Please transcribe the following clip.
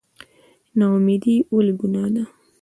نااميدي ولې ګناه ده؟